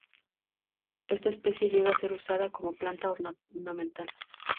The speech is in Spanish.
Esta especie llega a ser usada como planta ornamental.